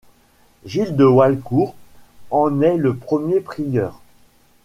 Gilles de Walcourt en est le premier prieur.